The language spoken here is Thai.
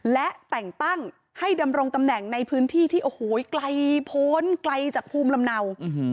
และแต่งตั้งให้ดำรงตำแหน่งในพื้นที่ที่โอ้โหไกลพ้นไกลจากภูมิลำเนา